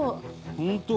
本当？